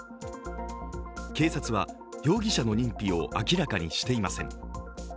警察は容疑者の認否を明らかにしていません。